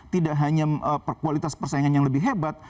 tidak hanya kualitas persaingan yang lebih hebat